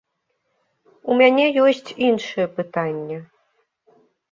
У мяне ёсць іншае пытанне.